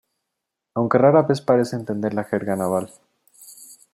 Aunque rara vez parece entender la jerga naval.